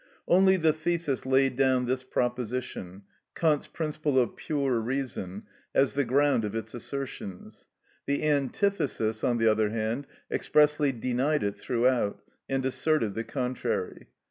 Only the thesis laid down this proposition, Kant's principle of pure reason, as the ground of its assertions; the antithesis, on the other hand, expressly denied it throughout, and asserted the contrary.